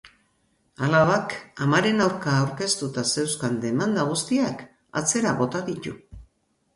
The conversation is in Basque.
Alabak amaren aurka aurkeztuta zeuzkan demanda guztiak atzera bota ditu.